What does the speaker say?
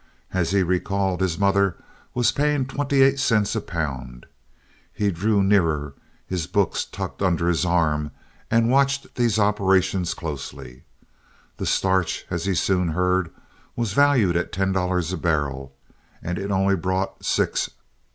As he recalled, his mother was paying twenty eight cents a pound. He drew nearer, his books tucked under his arm, and watched these operations closely. The starch, as he soon heard, was valued at ten dollars a barrel, and it only brought six.